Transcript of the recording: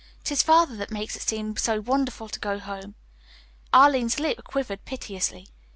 It is Father that makes it seem so wonderful to go home." Arline's lip quivered piteously.